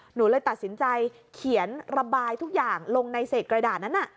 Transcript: หนูเลยตัดสินใจเขียนระบายทุกอย่างลงในเศษกระดาษนั้น